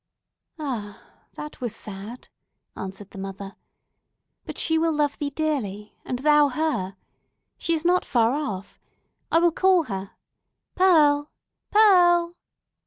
"Ah, that was sad!" answered the mother. "But she will love thee dearly, and thou her. She is not far off. I will call her. Pearl! Pearl!"